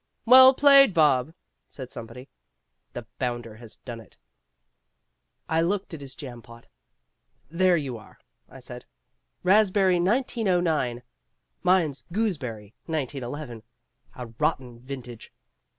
"Well played, Bob," said somebody. The bounder has done it. I looked at his jam pot. "There you are," I said. "'Raspberry 1909.' Mine's 'Gooseberry 1911,' a rotten vintage.